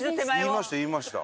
言いました言いました。